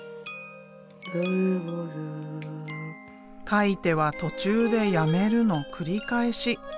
描いては途中でやめるの繰り返し。